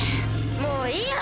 もういいや！